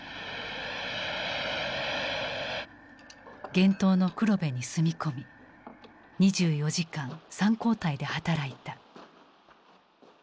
厳冬の黒部に住み込み２４時間３交代で働いた。